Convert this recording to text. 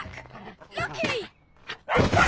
ラッキー！